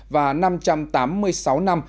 và năm trăm tám mươi sáu năm